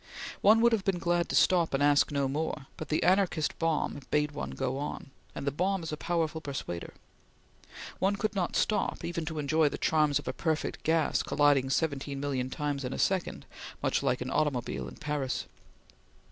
One would have been glad to stop and ask no more, but the anarchist bomb bade one go on, and the bomb is a powerful persuader. One could not stop, even to enjoy the charms of a perfect gas colliding seventeen million times in a second, much like an automobile in Paris.